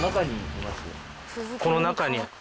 この中に？